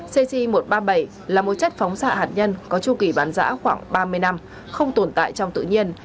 cc một trăm ba mươi bảy là một chất phóng xạ hạt nhân có chu kỳ bán giã khoảng ba mươi năm không tồn tại trong tự nhiên